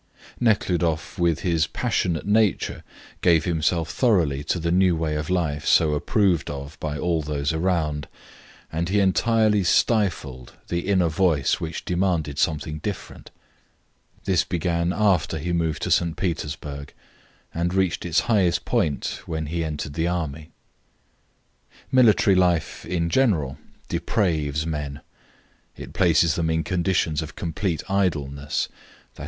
Nekhludoff, with his passionate nature, gave himself thoroughly to the new way of life so approved of by all those around, and he entirely stifled the inner voice which demanded something different. This began after he moved to St. Petersburg, and reached its highest point when he entered the army. Military life in general depraves men. It places them in conditions of complete idleness, i.